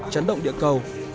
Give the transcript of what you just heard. chấn động địa cầu